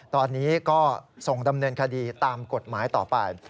ตอนนี้ก็ส่งดำเนินคดีตามกฎหมายต่อไป